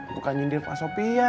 bukan nyindir pak sopian